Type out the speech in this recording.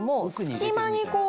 隙間にこう。